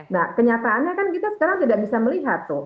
nah kenyataannya kan kita sekarang tidak bisa melihat tuh